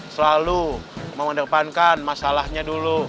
selalu mau mendepankan masalahnya dulu